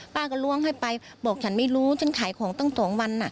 ป้าก็ล้วงให้ไปบอกฉันไม่รู้ฉันขายของตั้ง๒วัน